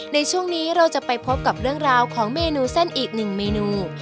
ในช่วงนี้เราจะไปพบกับเรื่องราวของเมนูเส้นอีกหนึ่งเมนู